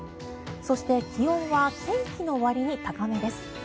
そして、気温は天気のわりに高めです。